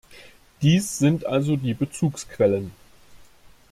Dies sind also die Bezugsquellen.